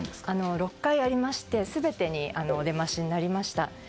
６回ありまして全てにお出ましになりました。